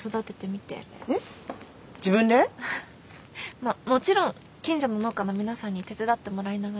まあもちろん近所の農家の皆さんに手伝ってもらいながら。